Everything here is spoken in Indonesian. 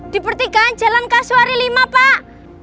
di pertigaan jalan kasuari lima pak